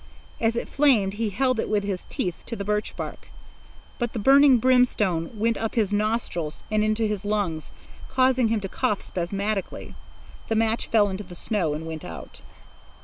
As it flamed he held it with his teeth to the birch bark. But the burning brimstone went up his nostrils and into his lungs, causing him to cough spasmodically. The match fell into the snow and went out.